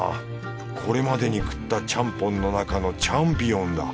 これまでに食ったちゃんぽんの中のチャンピオンだ。